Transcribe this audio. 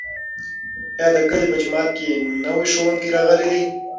ایا د کلي په جومات کې نوی ښوونکی راغلی دی؟